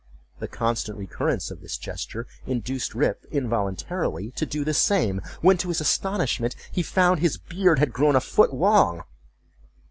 The constant recurrence of this gesture induced Rip, involuntarily, to do the same, when to his astonishment, he found his beard had grown a foot long!